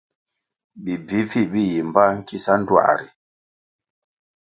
Bi bvih-bvih bi yi mbpa nkisa ndtuā ri.